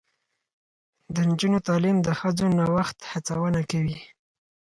د نجونو تعلیم د ښځو نوښت هڅونه کوي.